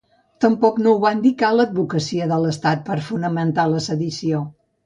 Tampoc no ho va indicar l’advocacia de l’estat per fonamentar la sedició.